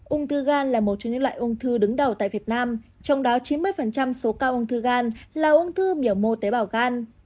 uống thư gan là một trong những loại uống thư đứng đầu tại việt nam trong đó chín mươi số cao uống thư gan là uống thư mỉa mô tế bào gan